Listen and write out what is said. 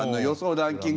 ランキング